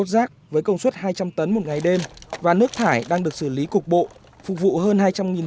rác với công suất hai trăm linh tấn một ngày đêm và nước thải đang được xử lý cục bộ phục vụ hơn hai trăm linh